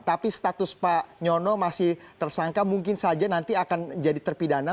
tapi status pak nyono masih tersangka mungkin saja nanti akan jadi terpidana